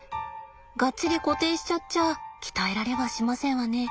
がっちり固定しちゃっちゃあ鍛えられはしませんわね。